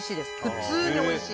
普通においしい。